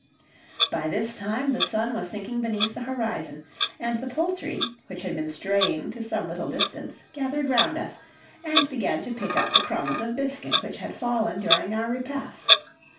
By this time the sun was sinking beneath the horizon, and the poultry, which had been straying to some little distance, gathered round us, and began to pick up the crumbs of biscuit which had fallen during our repast.